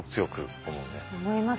思いますね。